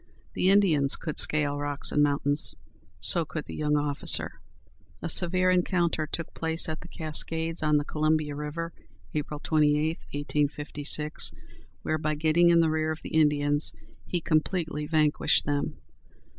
The Indians could scale rocks and mountains; so could the young officer. A severe encounter took place at the Cascades, on the Columbia River, April 28, 1856, where, by getting in the rear of the Indians, he completely vanquished them.